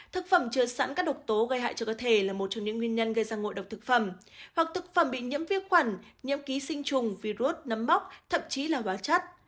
thực phẩm chứa sẵn các độc tố gây hại cho cơ thể là một trong những nguyên nhân gây ra ngộ độc thực phẩm hoặc thực phẩm bị nhiễm vi khuẩn nhiễm ký sinh trùng virus nấm mốc thậm chí là hóa chất